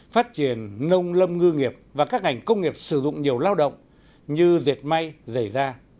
phát triển nông lâm ngư nghiệp và các ngành công nghiệp sử dụng nhiều lao động như diệt may giải gia